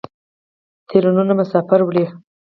ټرینونه مسافر وړي.